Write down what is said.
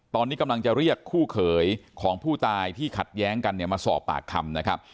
ตอนนี้กำลังจะเรียกคู่เขยของผู้ตายที่ขัดแย้งกันเนี่ยมาสอบปากคำนะครับ